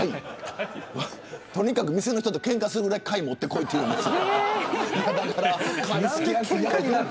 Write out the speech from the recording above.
店の人とけんかするぐらい貝持ってこいと言うんです。